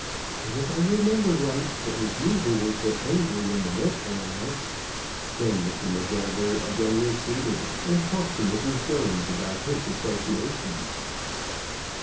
But, if I remember right, it was you who were so angry when the milk ran out." Then Mr. M'Gabbery again receded, and talked to Mrs. Jones about his associations.